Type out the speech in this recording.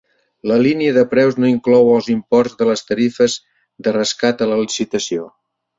La línia de preus no inclou els imports de les tarifes de rescat a la licitació.